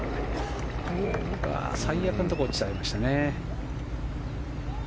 最悪のところに落ちちゃいましたね。